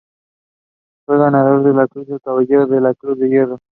Fue ganador de la Cruz de Caballero de la Cruz de Hierro.